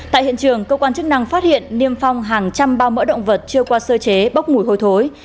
tại hiện trường cơ quan chức năng phát hiện niêm phong hàng trăm bao mỡ động vật chưa qua sơ chế bốc mùi hôi thối